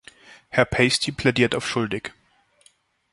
Herr Pasty plädiert auf schuldig.